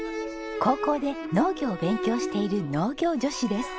高校で農業を勉強している農業女子です。